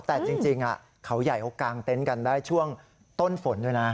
แต่จริงเขาใหญ่เขากางเต็นต์กันได้ช่วงต้นฝนด้วยนะ